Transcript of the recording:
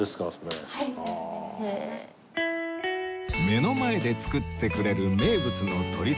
目の前で作ってくれる名物の鳥すき